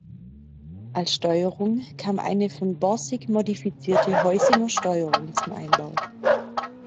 Als Steuerung kam eine von Borsig modifizierte Heusinger-Steuerung zum Einbau.